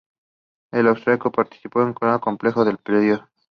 These historic railway structures have since been preserved.